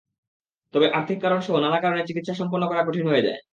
তবে আর্থিক কারণসহ নানা কারণে চিকিৎসা সম্পন্ন করা কঠিন হয়ে যায়।